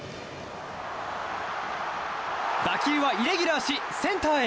打球はイレギュラーしセンターへ。